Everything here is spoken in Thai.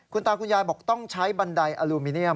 คุณตาคุณยายบอกต้องใช้บันไดอลูมิเนียม